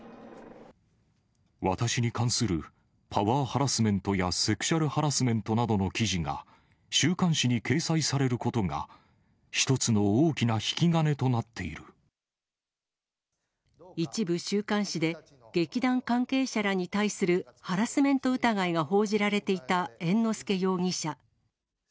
私に関するパワーハラスメントやセクシャルハラスメントなどの記事が、週刊誌に掲載されることが、一部週刊誌で、劇団関係者らに対するハラスメント疑いが報じられていた猿之助容疑者。